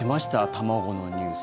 卵のニュース。